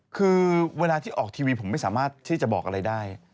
คือเวลาที่ออกทีวีผมไม่สามารถที่จะบอกอะไรได้